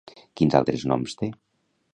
Quins altres noms té?